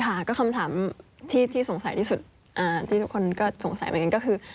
ค่ะก็คำถามที่สงสัยที่สุดที่ทุกคนก็สงสัยเหมือนกันก็คือ